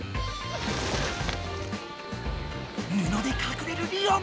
布で隠れるリオン！